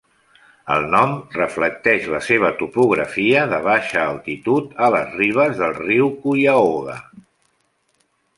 El nom reflecteix la seva topografia de baixa altitud a les ribes del riu Cuyahoga.